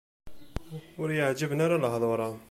Ur yi-εǧiben ara lehdur-a.